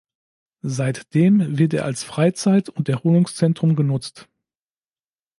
Seitdem wird er als Freizeit- und Erholungszentrum genutzt.